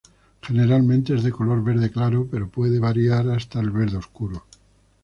Generalmente es de color verde claro, pero puede variar hasta el verde oscuro.